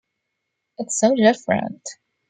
It's so different.